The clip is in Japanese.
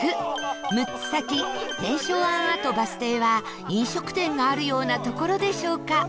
６つ先天正庵跡バス停は飲食店があるような所でしょうか？